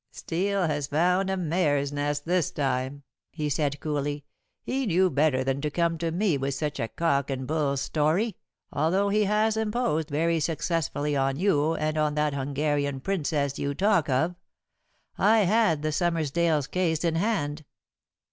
"Steel has found a mare's nest this time," he said coolly. "He knew better than to come to me with such a cock and bull story, although he has imposed very successfully on you and on that Hungarian Princess you talk of. I had the Summersdale case in hand."